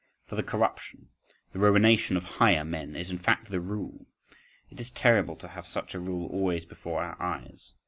For the corruption, the ruination of higher men, is in fact the rule: it is terrible to have such a rule always before our eyes.